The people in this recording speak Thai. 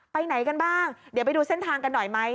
ไปไหนกันบ้างเดี๋ยวไปดูเส้นทางกันหน่อยไหม